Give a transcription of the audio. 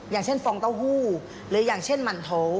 อย่างเช่นฟองเต้าหู้หรืออย่างเช่นมันโท